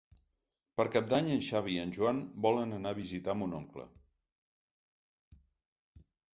Per Cap d'Any en Xavi i en Joan volen anar a visitar mon oncle.